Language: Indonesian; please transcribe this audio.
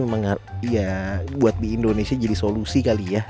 memang ya buat di indonesia jadi solusi kali ya